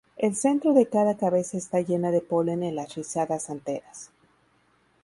El centro de cada cabeza está llena de polen en las rizadas anteras.